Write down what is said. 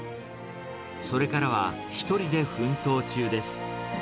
それからは、１人で奮闘中です。